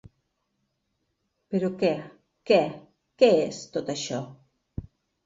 Però què, què, què és, tot això?